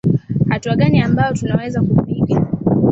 hatua gani ambazo tunaweza kupiga